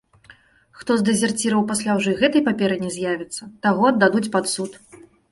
Хто з дэзерціраў пасля ўжо і гэтай паперы не з'явіцца, таго аддадуць пад суд.